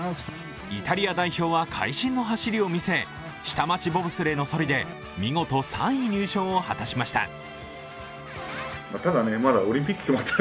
イタリア代表は会心の走りを見せ、下町ボブスレーのそりが見事３位入賞を果たしました。